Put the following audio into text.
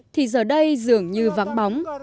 thì giờ đây dường như vắng bóng